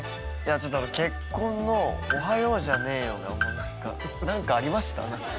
ちょっと結婚の「おはようじゃねーよ」がもうなんかなんかありました？